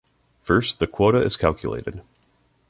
First, the quota is calculated.